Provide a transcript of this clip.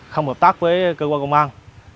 không hợp tác với cơ quan công an